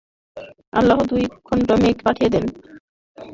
আল্লাহ দুই খণ্ড মেঘ পাঠিয়ে দেন।